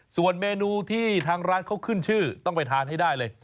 ส่วนเมนูที่ทางร้านเขาขึ้นชื่อต้องไปทานให้ได้เลย